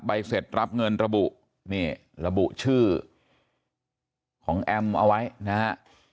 เสร็จรับเงินระบุนี่ระบุชื่อของแอมเอาไว้นะฮะ